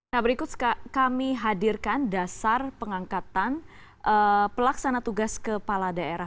nah berikut kami hadirkan dasar pengangkatan pelaksana tugas kepala daerah